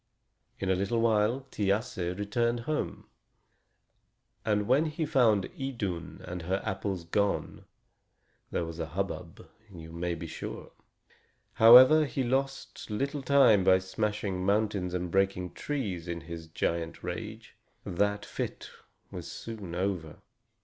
In a little while Thiasse returned home, and when he found Idun and her apples gone, there was a hubbub, you may be sure! However, he lost little time by smashing mountains and breaking trees in his giant rage; that fit was soon over.